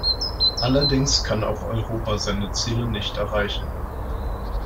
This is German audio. Allerdings kann auch Europa seine Ziele nicht erreichen.